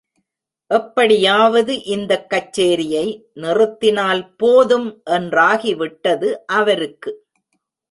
எப்படியாவது இந்தக் கச்சேரியை, நிறுத்தினால் போதும் என்றாகி விட்டது அவருக்கு.